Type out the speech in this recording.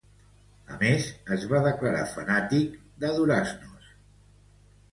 A més, es va declarar fanàtic de Duraznos Frontón